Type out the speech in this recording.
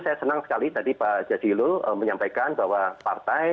saya senang sekali tadi pak jazilul menyampaikan bahwa partai